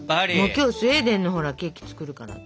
今日スウェーデンのほらケーキ作るから。ね